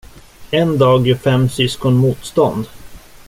En dag gör fem syskon motstånd.